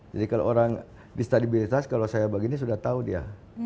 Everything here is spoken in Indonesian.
jadi kalau orang distabilitas kalau saya begini sudah tahu dia